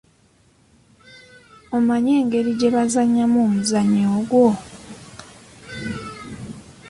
Omanyi engeri gye bazannyamu omuzannyo ogwo?